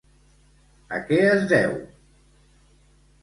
A què es deu?